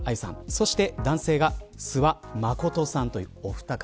そして、男性が諏訪理さんというお二方。